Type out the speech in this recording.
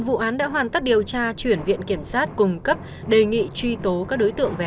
bảy việc nhẹ lương cao